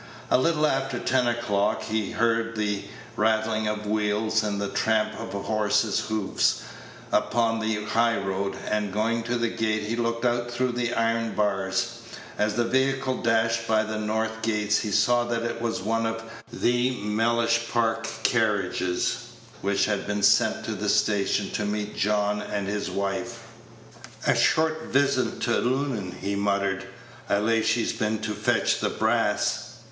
A little after ten o'clock he heard the rattling of wheels and the tramp of horses' hoofs upon the high road, and, going to the gate, he looked out through the iron bars. As the vehicle dashed by the north gates, he saw that it was one of the Mellish Park carriages which had been sent to the station to meet John and his wife. "A short visit to Loon'on," he muttered. "I lay she's been to fetch the brass."